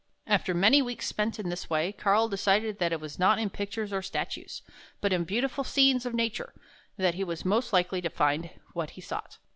After many weeks spent in this way, Karl decided that it was not in pictures or statues, but in beautiful scenes of nature, that he was most likely to find what he sought.